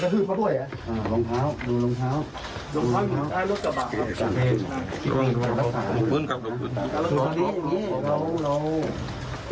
แล้วผมจะโดนทำร้ายไหมครับจะโดนจับเครื่องเข้าทรมานอะไรไหมครับ